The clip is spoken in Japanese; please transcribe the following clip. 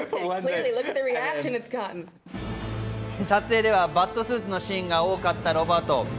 撮影ではバットスーツのシーンが多かったロバート。